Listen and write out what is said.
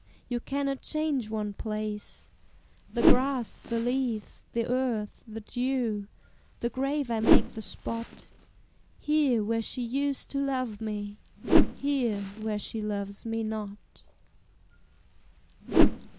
You cannot change one place, The grass, the leaves, the earth, the dew, The grave I make the spot, Here, where she used to love me, Here, where she loves me not.